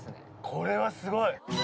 これはすごい！